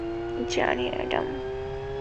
জানি, অ্যাডাম।